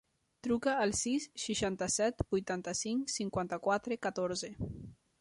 Truca al sis, seixanta-set, vuitanta-cinc, cinquanta-quatre, catorze.